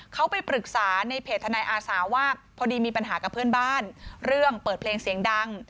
เขาไปปรึกษาในเพจทนายอาสาว่าพอดีมีปัญหากับเพื่อนบ้านเรื่องเปิดเพลงเสียงดัง